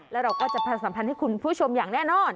แล้วเราก็จะประชาสัมพันธ์ให้คุณผู้ชมอย่างแน่นอน